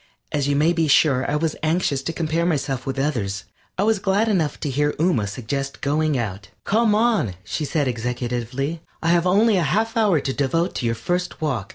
As you may be sure I was anxious to compare myself with others, I was glad enough to hear Ooma suggest going out. "Come on," she said, executively, "I have only a half hour to devote to your first walk.